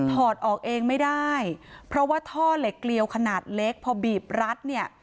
ออกเองไม่ได้เพราะว่าท่อเหล็กเกลียวขนาดเล็กพอบีบรัดเนี่ย